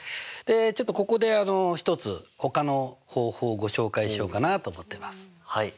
ちょっとここで一つほかの方法をご紹介しようかなと思ってます。